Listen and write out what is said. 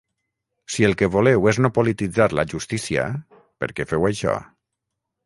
Si el que voleu és no polititzar la justícia, per què feu això?